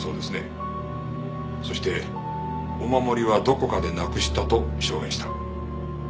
そしてお守りはどこかでなくしたと証言した。